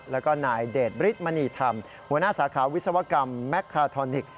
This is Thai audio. แล้วก็นายเดชบริษฐ์มณีธรรมหัวหน้าสาขาวิศวกรรมแมคคาทอนิกส์